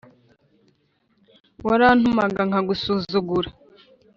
warantumaga nkagusuzugura